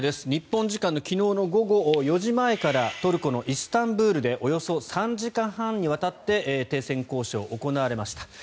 日本時間の昨日の午後４時前からトルコのイスタンブールでおよそ３時間半にわたって停戦交渉が行われました。